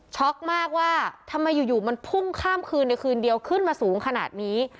มากว่าทำไมอยู่มันพุ่งข้ามคืนในคืนเดียวขึ้นมาสูงขนาดนี้